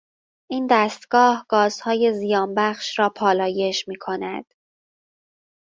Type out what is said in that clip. این دستگاه گازهای زیان بخش را پالایش میکند.